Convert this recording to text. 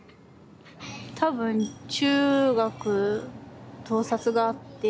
多分中学盗撮があって。